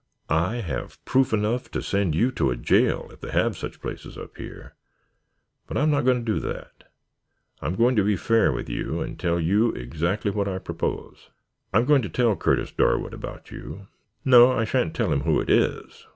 I have proof enough to send you to a jail, if they have such places up here. But I'm not going to do that. I am going to be fair with you and tell you exactly what I propose. I am going to tell Curtis Darwood about you. No, I shan't tell him who it is.